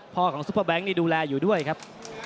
ของซุปเปอร์แบงค์นี่ดูแลอยู่ด้วยครับ